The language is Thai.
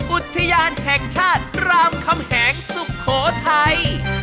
อุทยานแห่งชาติรามคำแหงสุโขทัย